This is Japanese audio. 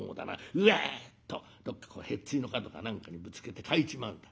うわっとどっかへっついの角か何かにぶつけて欠いちまうんだ。